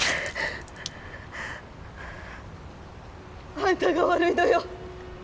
あんたが悪いのよ